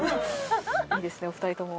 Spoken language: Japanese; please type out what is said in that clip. いいですねお二人とも。